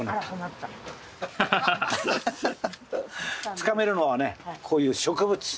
つかめるのはねこういう植物。